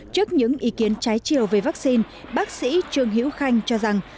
trước những ý kiến trái chiều về vaccine bác sĩ trương hữu khanh cho rằng